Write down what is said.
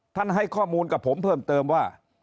ให้ข้อมูลกับผมเพิ่มเติมว่า